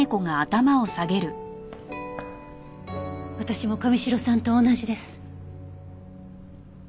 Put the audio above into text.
私も神城さんと同じです。